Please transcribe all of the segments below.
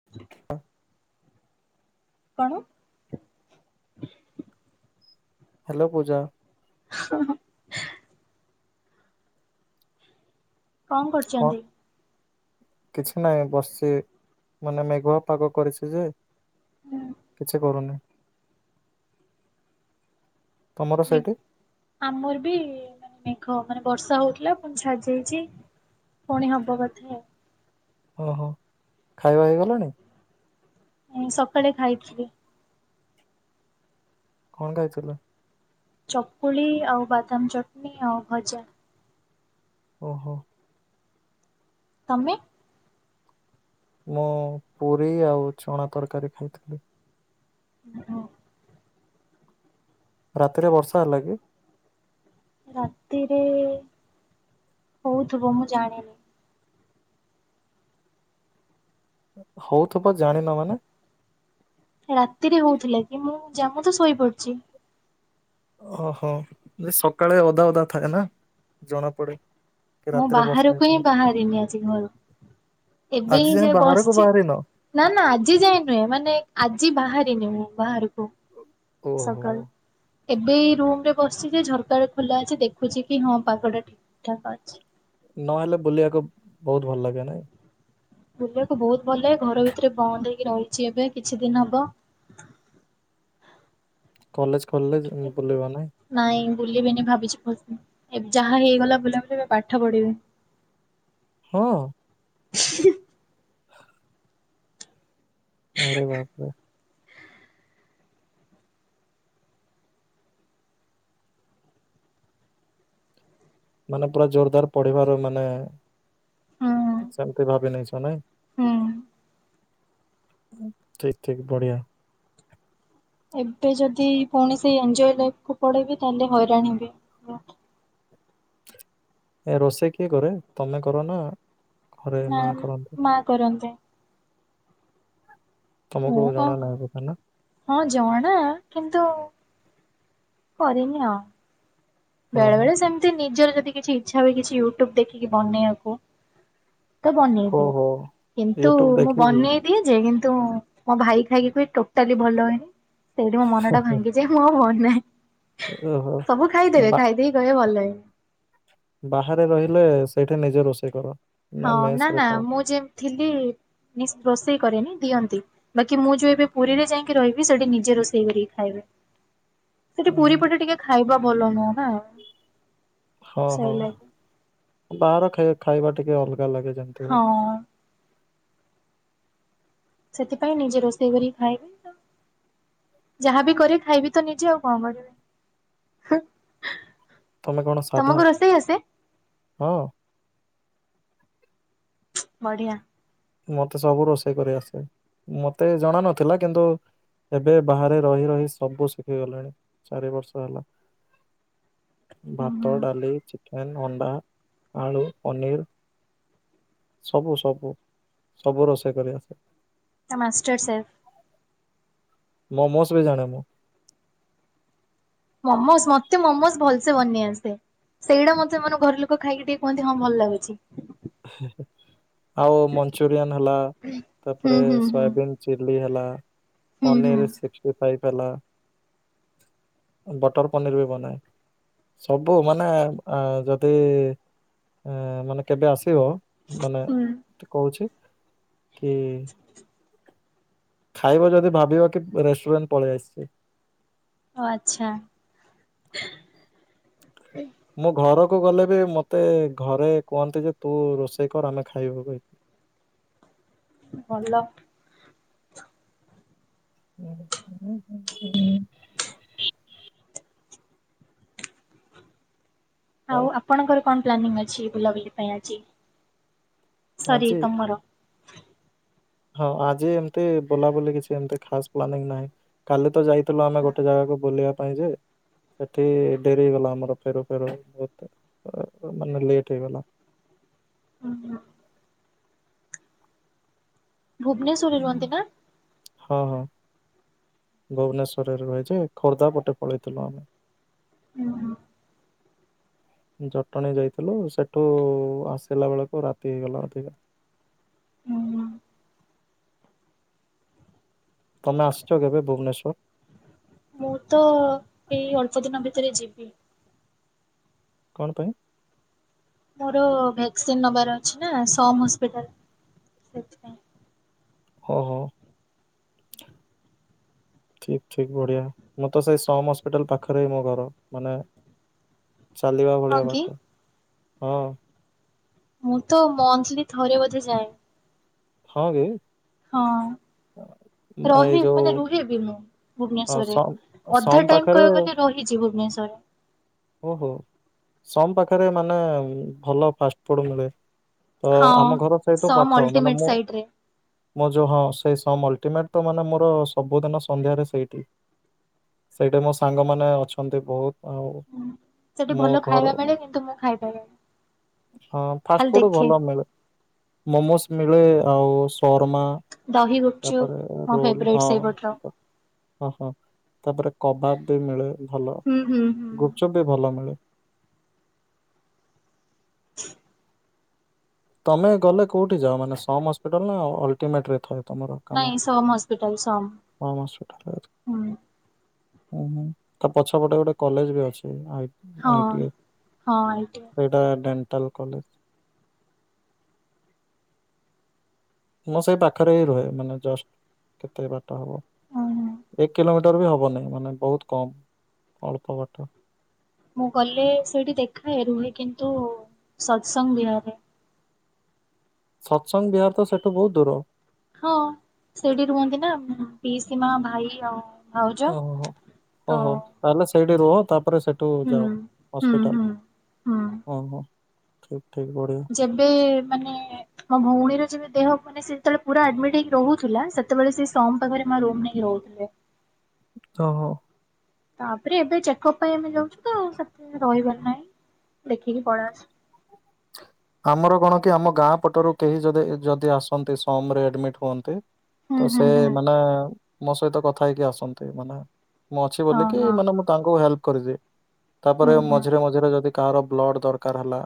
ହ [unintelligible] କଣ? ହ୍ୟାଲୋ ପୂଜା! ହ [unintelligible] କଣ କରଚନ୍ତି? କିଛି ନାହିଁ ବସିଛି ମାନେ ମେଘୁଆ ପାଗ କରିଛି ଯେ ହୁଁ କିଛି କରୁନି। ତୁମର ସେଇଠି? ଆମର ବି ମାନେ ମେଘ ମାନେ ବର୍ଷା ହଉଥିଲା ପୁଣି ଛାଡି ଯାଇଚି। ପୁଣି ହବ ବଧେ ଆଉ। ଓହୋ। ଖାଇବା ହେଇଗଲାଣି? ମୁଁ ସକାଳେ ଖାଇଥିଲି। କଣ ଖାଇଥିଲ? ଚକୁଳି ଆଉ ବାଦାମ ଚଟଣି ଆଉ ଭଜା। ଓହୋ। ତମେ? ମୁଁ ପୁରୀ ଆଉ ଚଣା ତରକାରୀ ଖାଇଥିଲି। ଓହୋ। ରାତିରେ ବର୍ଷା ହେଲା କି? ରାତିରେ ହଉଥିବ ମୁଁ ଜାଣିନି। ହଉଥିବ ଜାଣିନ ମାନେ? ରାତିରେ ହଉଥିଲା କି? ମୁଁ ଜା ମୁଁ ତ ଶୋଇପଡିଛି। ଓହୋ ଯେ ସକାଳେ ଓଦା ଓଦା ଥାଏ ନା ଜଣା ପଡେ। କି ମୁଁ ରାତିରେ ବର୍ଷା ବାହାରୁକୁ ହିଁ ହେଇଥିଲା ବାହାରିନି ଆଜି ଘରୁ। ଏବେ ଆଜି ହିଁ ଯାଏଁ [unintelligible] ବାହାରକୁ ବସିଛି। ବାହାରିନ ନାଁ ନାଁ ଆଜି ଯାଏ ନୁହେଁ ମାନେ ଆଜି ବାହାରିନି ମୁଁ ବାହାରୁକୁ ଓହୋ ସକାଳୁ। ଏବେ ଏଇ ରୁମରେ ବସିଛି ଯେ ଝରକାଟା ଖୋଲା ଅଛି ଦେଖୁଛି କି ହଁ ପାଗଟା ଠିକ୍ ଠାକ୍ ଅଛି। ନହେଲେ ବୁଲିବାକୁ ବହୁତ ଭଲ ଲାଗେ ନାଇଁ। ବୁଲିବାକୁ ବହୁତ ଭଲ ଲାଗେ। ଘର ଭିତରେ ବନ୍ଦ ହେଇକି ରହିଛି ଏବେ କିଛି ଦିନ ହବ। କଲେଜ ଖୋଲିଲେ ଯା ବୁଲିବ ନାଇଁ। ନାଇଁ ବୁଲିବିନି ଭାବିଛି। [inaudible] ଏବ୍ ଯାହା ହେଇଗଲା ବୁଲାବୁଲି ଏବେ ପାଠ ପଢିବି। ହଁ? ଆରେ ବାପରେ। ମାନେ ପୁରା ଜୋରଦାର ପଢିବାର ମାନେ ହୁଁ ସେମିତି ଭାବି ନେଇଛ ନାଇଁ। ହୁଁ। ଠିକ୍ ଠିକ୍ ବଢିଆ। ଏବେ ଯଦି ପୁଣି ସେଇ ଏନ୍ଜୟ ଲାଇଫକୁ ପଳେଇବି ତାହଲେ ହଇରାଣ ହେବି ପୁରା। ଏ ରୋଷେଇ କିଏ କରେ? ତମେ କର ନା ଘରେ ନାଁ ମା କରନ୍ତି ମାଆ କରନ୍ତି। ତମୁକୁ ମୁଁ କଣ ଜଣା ନାହିଁ [unintelligible] ନା? ହଁ ଜଣା କିନ୍ତୁ କରେନି ଆଉ। ହଁ ବେଳେ ହଁ ବେଳେ ସେମିତି ନିଜର ଯଦି କିଛି ଇଚ୍ଛା ହୁଏ କିଛି ୟୁଟ୍ୟୁବ୍ ଦେଖିକି ବନେଇବାକୁ ତ ହୋ ବନେଇଦିଏ। ହୋ କିନ୍ତୁ ୟୁଟ୍ୟୁବ ମୁଁ ଦେଖିକି ବନେଇ ଦିଏ ଯେ କିନ୍ତୁ ମୋ ଭାଇ ଖାଇକି କୁହେ ଟୋଟାଲି ଭଲ ହେଇନି। ସେଇଠି ମୋ ମନଟା ଭାଙ୍ଗି ଯାଏ ମୁଁ ଆଉ ବନାଏ। ଓହୋ ସବୁ ଖାଇଦେବେ ବା ଖାଇଦେଇକି କହିବେ ଭଲ ହେଇନି। ବାହାରେ ରହିଲେ ସେଇଠି ନିଜେ ରୋଷେଇ କର? ହଁ ନା ମେସ ନାଁ ରେ ନାଁ ଖାଅ ମୁଁ ଯେମିତି ଥିଲି ମିସ୍ ରୋଷେଇ କରେନି ଦିଅନ୍ତି। ବାକି ମୁଁ ଯୋଉ ଏବେ ପୁରୀରେ ଯାଇକି ରହିବି ସେଇଠି ନିଜେ ରୋଷେଇ କରିକି ଖାଇବେ। ସେଇଠି ଉଁ ପୁରୀ ହୁଁ ପଟେ ଟିକେ ଖାଇବା ଭଲ ନୁହଁ ନା ହଁ ହଁ ସେଇଲାଗି। ବାହାର ଖାଇ-ଖାଇବା ଟିକେ ଅଲଗା ଲାଗେ [unintelligible] ହଁ। ସେଥିପାଇଁ ନିଜେ ରୋଷେଇ କରି ଖାଇବି ତ ଯାହାବି କରେ ଖାଇବି ତ ନିଜେ ଆଉ କଣ କରିବି? ହେଁ। ତମେ କଣ ସାଧା? ହଁ। ବଢିଆ। ମତେ ସବୁ ରୋଷେଇ କରି ଆସେ, ମତେ ଜଣା ନଥିଲା କିନ୍ତୁ ଏବେ ବାହାରେ ରହି ରହି ସବୁ ଶିଖିଗଲାଣି ଚାରି ବର୍ଷ ହେଲା। ହୁଁ ଭାତ, ହୁଁ ଡାଲି, ଚିକେନ, ଅଣ୍ଡା, ଆଳୁ, ପନିର ସବୁ ସବୁ ସବୁ ରୋଷେଇ କରିଆସେ। ତମେ ମାଷ୍ଟର୍ ସେଫ। ମୋମୋସ ବି ଜାଣେ ମୁଁ। ମୋମୋସ ମତେ ମୋମୋସ ଭଲସେ ବନେଇ ଆସେ। ସେଇଟା ମତେ ମାନେ ଘର ଲୋକ ଖାଇକି ଟିକେ କୁହନ୍ତି ହଁ ଭଲ ଲାଗୁଛି। ଆଉ ମଞ୍ଚୁରିଆନ ହେଲା ହୁଁ ତାପରେ ହୁଁ ହୁଁ ସୟାବିନ୍ ଚିଲି ହେଲା ହୁଁ ହୁଁ ପନିର ସିକଷ୍ଟି ଫାଇପ୍ ହେଲା ବଟର ପନୀର ବି ବନାଏ। ସବୁ ମାନେ ଏଁ ଯଦି ଏଁ ମାନେ କେବେ ଆ ସିଓର ମାନେ ହୁଁ କହୁଛି କି ଖାଇବ ଯଦି ଭାବିବ କି ରେଷ୍ଟୁରାଣ୍ଟ ପଳେଇ ଆସିଛି। ଓ ଆଚ୍ଛା! ମୁଁ ଘରକୁ ଗଲେ ବି ମତେ ଘରେ କୁହନ୍ତି ଯେ ତୁ ରୋଷେଇ କର ଆମେ ଖାଇବୁ। ଭଲ। [inaudible] ଆଉ ଆପଣଙ୍କର କଣ ପ୍ଲାନିଂ ଅଛି ବୁଲାବୁଲି ପାଇଁ ଆଜି? ସରି ଆଜି ତମର! ହଁ ଆଜି ଏମତି ବୁଲାବୁଲି କିଛି ଏମତି ଖାସ୍ ପ୍ଲାନିଂ ନାହିଁ। କାଲି ତ ଯାଇ ଥିଲୁ ଆମେ ଗୋଟେ ଜାଗାକୁ ବୁଲିବା ପାଇଁ ଯେ ସେଠି ଡେରି ହେଇଗଲା ଆମର ଫେରୁ ଫେରୁ ବହୁତ ମାନେ ଲେଟ୍ ହେଇଗଲା। ଓ ହୋ! ଭୁବ୍ନେଶ୍ୱରରେ ରୁହନ୍ତି ନା? ହଁ ହଁ ଭୁବ୍ନେଶ୍ୱରରେ ରୁହେ ଯେ, ଖୋର୍ଦ୍ଧା ପଟେ ପଳେଇଥିଲୁ ଆମେ। [unintelligible] ଜଟଣୀ ଯାଇଥିଲୁ ସେଠୁ ଆସିଲା ବେଳକୁ ରାତି ହେଇଗଲା ଅଧିକା। ହୁଁ ତମେ ଆସିଛ କେବେ ଭୁବ୍ନେଶ୍ବର? ମୁଁ ତ ଏଇ ଅଳ୍ପ ଦିନ ଭିତରେ ଯିବି। କଣ ପାଇଁ? ମୋର ଭ୍ୟାକ୍ସିନ ନବାର ଅଛି ନା ସମ୍ ହସ୍ପିଟାଲ ସେଥିପାଇଁ। ଓ ହୋ। ଠିକ ଠିକ ବଢିଆ। ମୁଁ ତ ସେଇ ସମ ହସ୍ପିଟାଲ ପାଖରେ ହିଁ ମୋ ଘର ମାନେ ଚାଲିବା ହଁ ଭଳିଆ କି ବାଟ ହଁ। ମୁଁ ତ ମନ୍ଥଲି ଥରେ ବୋଧେ ଯାଏ। ହଁ କି? ହଁ। ଅ, ଏଇ ରହି ଯୋଉ ମାନେ ରୁହେବି ମୁଁ ହଁ ଭୂବ୍ନେଶ୍ୱରରେ ସମ୍ ଅଧା ସମ୍ ଟାଇମ ପାଖରେ କହିବାକୁ ଗଲେ ରହି ରହିଛି ଭୁବ୍ନେଶ୍ୱର। ଓ ହୋ ସମ୍ ପାଖରେ ମାନେ ଭଲ ଫାଷ୍ଟଫୁଡ଼୍ ମିଳେ। ତ ହଁ। ଆମ ଘର ସେଉଠୁ ସମ୍ ପାଖ ମାନେ ଅଲଟିମେଟ ମୁଁ ସାଇଟରେ ମୋ ଯୋଉ ହଁ ସେ ସମ୍ ଅଲ୍ଟିମେଣ୍ଟ ତ ମାନେ ମୋର ସବୁଦିନ ସନ୍ଧ୍ୟାରେ ସେଇଠି। ସେଇଠି ମୋ ସାଙ୍ଗମାନେ ଅଛନ୍ତି ବହୁତ ଆଉ ସେଠି ମୋ ଭଲ ଘର ଖାଇବା ହଁ ମିଳେ କିନ୍ତୁ ମୁଁ ଖାଇପାରେନି। ଫାଷ୍ଟ ଖାଲି ଫୁଡ ଦେଖେ ଭଲ ମିଳେ। ମୋମୋସ୍ ମିଳେ ଆଉ ଶର୍ମା ଦହି ଗୁପଚୁପ ତାପରେ ମୋ ରୋଲ୍ ଫେବରାଇଟ ହଁ ସେଇପଟର। ଓହୋ ତାପରେ କବାବ୍ ବି ମିଳେ ଭଲ। ହୁଁ ହୁଁ। ଚପ୍ ବି ଭଲ। [inaudible] ତମେ ଗଲେ କୋଉଠି ଯାଅ ମାନେ ସମ୍ ହସ୍ପିଟାଲ ନା ଅଲଟିମେଟ ରେ ଥାଏ। ତମର କାମ ନାଇଁ ସମ୍ ହସ୍ପିଟାଲ ସମ୍ ସମ୍ ହସ୍ପିଟାଲ ରେ ଅଛି। ହୁଁ। ଉଁ ହୁଁ ତା ପଛପଟେ ଗୋଟେ କଲେଜ ବି ଅଛି ଆଇ ହଁ ଆଇଟି ହଁ ଆଇ ଟି ଆଇ। ସେଇଟା ଡେଣ୍ଟାଲ କଲେଜ। ମୁଁ ସେଇ ପାଖରେ ହିଁ ରୁହେ ମାନେ ଜଷ୍ଟ କେତେ ବାଟ ହବ। ହୁଁ ହୁଁ। ଏକ୍ କିଲୋମିଟର ବି ହବନିଁ ମାନେ ବହୁତ କମ୍ ଅଳ୍ପ ବାଟ। ମୁଁ ଗଲେ ସେଇଠି ଦେଖାଏ ରୁହେ କିନ୍ତୁ ସତ ସଙ୍ଗ ବିହାରରେ। ସତ୍ ସଙ୍ଗ ବିହାର ତ ସେଠୁ ବୋହୁତ ଦୂର। ହଁ ସେଇଠି ରୁହନ୍ତି ନା ପିଇସି ମା ଭାଇ ଆଉ ଭାଉଜ ଓହୋ ତ ଓହୋ ତାହେଲେ ସେଇଠି ରୁହ ତାପରେ ସେଠୁ ହୁଁ ଯାଅ ହୁଁ ହସ୍ପିଟାଲ ହୁଁ ହୁଁ ହଁ ହଁ। ଠିକ ଠିକ ବଢିଆ। ଯେବେ ମାନେ ମୋ ଭଉଣୀର ଯେବେ ଦେହ ମାନେ ସେତେବେଳେ ପୁରା ଆଡମିଟ୍ ହେଇ ରହୁଥିଲା ସେତେବେଳେ ସେ ସମ୍ ପାଖରେ ମା ରୁମ ନେଇ ରହୁଥିଲେ। ତ ହୋ। ତାପରେ ଏବେ ଚେକଅପ୍ ପାଇଁ ଆମେ ଯାଉଚୁ ତ ଆଉ ସେଥି ରହିବାର ନାହିଁ ଦେଖିକି ପଳେଇ ଆସୁ। ଆମର କଣ କି ଆମ ଗାଁ ପଟରୁ କେହି ଯଦି ଯଦି ଆସନ୍ତି ସମରେ ଆଡମିଟ ହୁଅନ୍ତି ହୁଁ ତ ହୁଁ ସେ ହୁଁ ମାନେ ମୋ ସହିତ କଥା ହେଇକି ଆସନ୍ତି ମାନେ ମୁଁ ଅଛି ହଁ ବୋଲିକି ହଁ ମାନେ ମୁଁ ତାଙ୍କୁ ହେଲ୍ପ କରିଦିଏ ହୁଁ ତାପରେ ହୁଁ ମଝିରେ ମଝିରେ ଯଦି କାହାର ବ୍ଲଡ ଦରକାର ହେଲା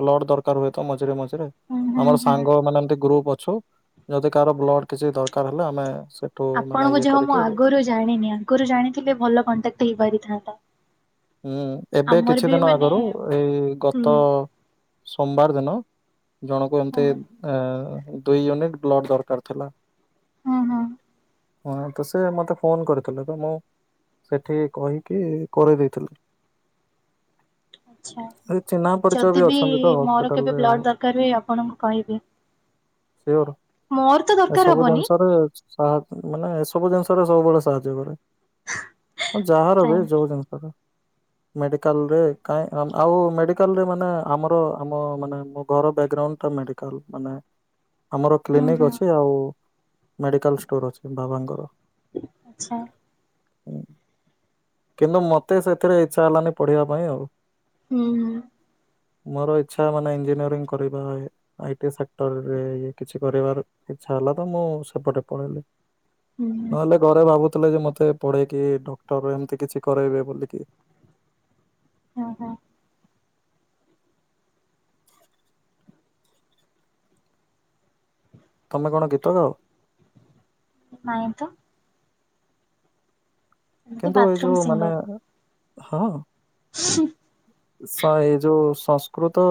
ବ୍ଲଡ ଦରକାର ହୁଏ ତ ମଝିରେ ମଝିରେ। ହୁଁ ହୁଁ ଆମର ହୁଁ। ସାଙ୍ଗ ମାନେ ଏମତି ଗ୍ରୁପ ଅଛୁ ଯଦି କାହାର ବ୍ଲଡ କିଛି ଦରକାର ହେଲେ ଆମେ ସେ ଆପଣଙ୍କୁ ଯମା ମୁଁ ଆଗରୁ ଜାଣିନି ଆଗରୁ ଜାଣିଥିଲେ ଭଲ କଣ୍ଟାକ୍ଟ ହେଇପାରିଥାନ୍ତା। ହୁଁ ଏବେ ଆମର କିଛି ବି ଦିନ ମାନେ ଆଗରୁ ଏଇ ହୁଁ ଗତ ସୋମବାର ଦିନ ଜଣକୁ ହଁ ଏମତି ଦୁଇୟୁନିଟ୍ ବ୍ଲଡ଼ ଦରକାର ଥିଲା ହଁହଁ। ହଁ ତ ସେ ମତେ ଫୋନ କରିଥିଲେ ତ ମୁଁ ସେଠି କହିକି କରେଇ ଦେଇଥିଲି। [inaudible] ଆଚ୍ଛା। ଏ ଚିହ୍ନା ପରିଚୟ ବି ଯଦି ବିି ଅଛନ୍ତି ତ ମୋର କେବେ ହସ୍ପିଟାଲରେ ଆଉ ବ୍ଲଡ ଦରକାର ହୁଏ ଆପଣଙ୍କୁ କହିବି। ସିଓର। ମୋର ତ ଦରକାର ହବନି। ସାହାଯ ମାନେ ସବୁ ଜିନିଷ ରେ ସବୁବେଳେ ସାହାଯ୍ୟ କରେ। ହଁ ଯାହାର ବି ଥ୍ୟାଙ୍କ ଯୋଉ ଜିନିଷ ରେ। ମେଡିକାଲରେ କାଁଏ ଆଉ ମେଡିକାଲରେ ମାନେ ଆମର ଆମ ମାନେ ମୋ ଘର ବ୍ୟାକଗ୍ରାଉଣ୍ଡ ଟା ମେଡିକ କଲ ମାନେ ଆମର ୟୁ ହୁଁ କ୍ଲିନିକ ହୁଁ ଅଛି ଆଉ ମେଡିକାଲ ଷ୍ଟୋର ଅଛି ବାବାଙ୍କର ଆଚ୍ଛା। କିନ୍ତୁ ମତେ ସେଥିରେ ଇଚ୍ଛା ହେଲାନି ପଢିବା ପାଇଁ ଆଉ ହୁଁ। ହୁଁ ମୋର ଇଚ୍ଛା ମାନେ ଇଞ୍ଜିନିୟରିଂ କରିବା ଏ ଆଇ ଟି ସେକ୍ଟରରେ ଇଏ କିଛି କରିବାର ଇଚ୍ଛା ହେଲା ତ ମୁଁ ସେପଟେ ପଳେଇଲି। ହୁଁ ହୁଁ ନହେଲେ ଘରେ ଭାବୁଥିଲେ କି ମତେ ପଢେଇକି ଡକ୍ଟର ଏମିତି କିଛି କରେଇବେ ବୋଲି। କିଏ ଏ ହଁ ତୁମେ କଣ ଗୀତ ଗାଅ? ନାଇଁ ତ। ଏମିତି କିନ୍ତୁ ଏଇ ବାଥରୁମ ଯୋଉ ମାନେ ସିଙ୍ଗର ହଁ ହଁ ଏ ଯୋଉ ସଂସ୍କୃ ସଂସ୍କୃତ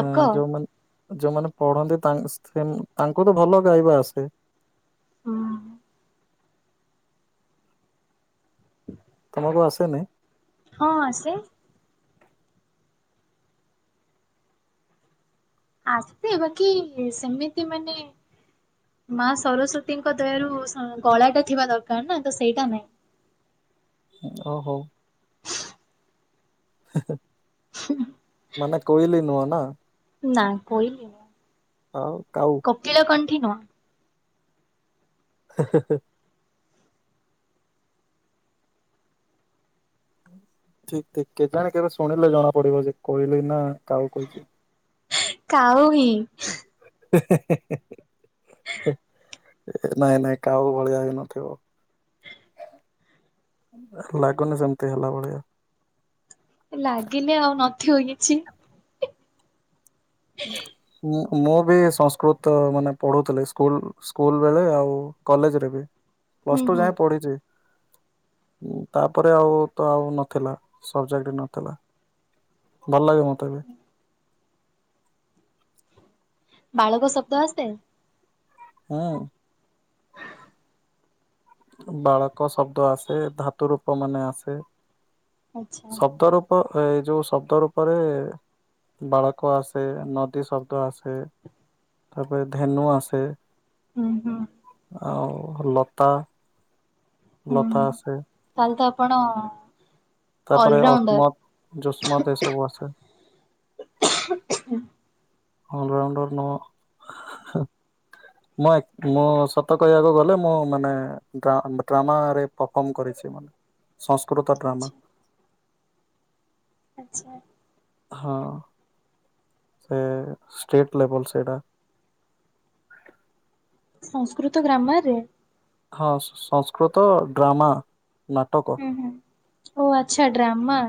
ଅଁ ଯେଉଁମାନେ ଯୋଉମାନେ ପଢ଼ନ୍ତି। ତାଙ୍କ ସେମ୍ ତାଙ୍କୁଠୁ ଭଲ ଗାଇବା ଆସେ। ହୁଁ ତୁମକୁ ଆସେନି। ହଁ ଆସେ। ଆସେ ବାକି ସେମିତି ମାନେ ମା ସରସ୍ଵତୀଙ୍କ ଦୟାରୁ ଗଳାଟା ଥିବା ଦରକାର ନାଁ ତ ସେଇଟା ନାଇଁ। ଓ ହଉ ହ ହ ମାନେ କୋଇଲି ନୁହଁ ନାଁ। ନାଁ କୋଇଲି ନୁହଁ। ଆଉ କାଉ କୋକିଳ କଣ୍ଠି ନୁହଁ। ହଁ ଠିକ୍ ଠିକ୍ କେଜାଣେ କେବେ ଶୁଣିଲେ ଜଣା ପଡ଼ିବ ଯେ କୋଇଲି ନା କାଉ କୋଇଲି ସିଏ। କାଉ ହିଁ। [unintelligible] ନାଇଁ ନାଇଁ କାଉ ଭଳିଆ ହେଇ ନଥିବ। ଲାଗୁନି ସେମିତି ହେଲା ଭଳିଆ। ଲାଗିଲେ ଆଉ ନଥିବ ଆଉ କିଛି। ନାଁ ମୁଁ ବି ସଂସ୍କୃତ ମାନେ ପଢୁଥିଲି ସ୍କୁଲ ସ୍କୁଲ ବେଳେ ଆଉ କଲେଜରେ ବି। ହୁଁ ପ୍ଲସ ଟୁ ହୁଁ ଯାଏଁ ପଢିଚି। ଉଁ ତାପରେ ଆଉ ତ ଆଉ ନଥିଲା ସବଜେକ୍ଟ ନଥିଲା। ଭଲ ଲାଗେ ମୋତେ ଏବେ। ହ ବାଳକ ଶବ୍ଦ ଆସେ। ହଁ ବାଳକ ଶବ୍ଦ ଆସେ। ଧାତୁ ରୂପ ମାନେ ଆସେ। ଆଚ୍ଛା ଶବ୍ଦର ରୂପ ଏଇ ଯୋଉ ଶବ୍ଦ ରୂପରେ ବାଳକ ଆସେ ନଦୀ ଶବ୍ଦ ଆସେ। ତାପରେ ଧେନୁ ଆସେ। ହୁଁ ହୁଁ ଆଉ ଲତା ହୁଁ। ଲତା ଆସେ। ତାହେଲେ ତ ଆପଣ ତାପରେ ଅଲରାଉଣ୍ଡର। ଅସମତ ଜୁସମତ ଏ ସବୁ ଆସେ। ଅଲ ରାଉଣ୍ଡର ନୁହଁ। ମୁଁ ଆ ମୁଁ ସତ କହିବାକୁ ଗଲେ ମୁଁ ମାନେ ଡ୍ରାମାରେ ପରଫର୍ମ କରିଛି ମାନେ ସଂସ୍କୃତ ଆଚ୍ଛା ଡ୍ରାମା। ଆଚ୍ଛା। ହଁ। ସେ ଷ୍ଟେଟ୍ ଲେବଲ ସେଇଟା। ସଂସ୍କୃତ ଗ୍ରାମର ରେ? ହଁ ସଂସ୍କୃତ ଡ୍ରାମା। ନାଟକ ହୁଁ ହୁଁ ଓ ଆଚ୍ଛା ଡ୍ରାମା।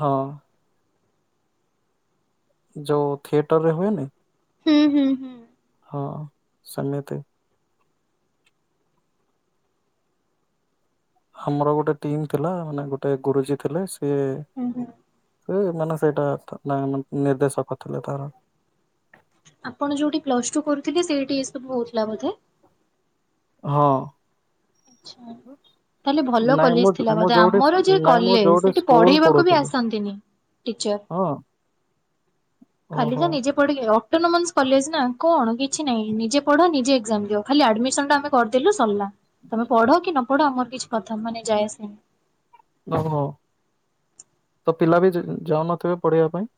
ହଁ। ଯୋଉ ଥିଏଟର ରେ ହୁଏନି? ହୁଁ ହୁଁ ହୁଁ। ହଁ ସେମିତି। ଆମର ଗୋଟେ ଟିମ୍ ଥିଲା ମାନେ ଗୋଟେ ଗୁରୁଜୀ ଥିଲେ ସିଏ ହୁଁ ହୁଁ। ସେ ମାନେ ସେଇଟା ଥା ମା ନିର୍ଦ୍ଦେଶକ ଥିଲେ ତାର। ଆପଣ ଯୋଉଠି ପ୍ଲସ ଟୁ କରୁଥିଲେ ସେଇଠି ଏ ସବୁ ହଉଥିଲା ବୋଧେ? ହଁ। ଆଚ୍ଛା। ତାହେଲେ ଭଲ ନାଇଁ କଲେଜ ମୁଁ ଥିଲା ମୁଁ ବୋଧେ ଯୋଉଠି ଆମର ଯେଉ ନାଇଁ ମୁଁ କଲେଜ ଯୋଉଠି ସେଠି ପଢେଇ ସ୍କୁଲ ବାକୁ ବି ପଢୁଥିଲି ଆସନ୍ତିନି। ଟିଚର ହଁ ଖାଲି ତ ଓହୋ। ନିଜେ ପଡ଼ି ଅଟୋନୋମସ୍ କଲେଜ ନା କଣ କିଛି ନାଇଁ ନିଜେ ପଢ ନିଜେ ଏକ୍ଜାମ ଦିଅ ଖାଲି ଆଡମିସନ ଟା ଆମେ କରିଦେଲୁ ସରିଲା ତମେ ପଢ କି ନ ପଢ ଆମର କିଛି କଥା ମାନେ ଯାଏଆସ ନାହିଁ। ଓହୋ ତ ପିଲା ବି ଯାଉନଥିବେ ପଢିବା ପାଇଁ?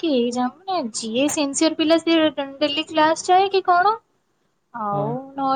କେହି ଯାଉ ନାହିଁ ଯିଏ ସିନସିୟର ପିଲା ସିଏ ଡେଲି କ୍ଲାସ ଯାଏ କି କଣ। ଆଉ। ହଁ। ନ